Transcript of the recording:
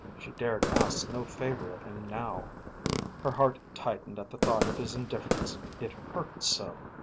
She dared ask no favour of him now. Her heart tightened at the thought of his indifference. It hurt so.